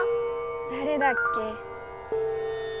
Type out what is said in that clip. だれだっけ？